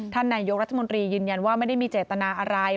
นายกรัฐมนตรียืนยันว่าไม่ได้มีเจตนาอะไร